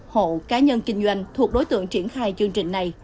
hộ cá nhân kinh doanh thuộc đối tượng triển khai chương trình này